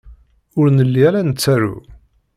Ur nelli ara nettaru.